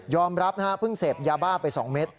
ยอมรับน่ะพึ่งเสพยาบ้าไปสองเม็ด